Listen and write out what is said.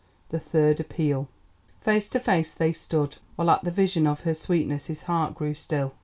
THE THIRD APPEAL Face to face they stood, while at the vision of her sweetness his heart grew still.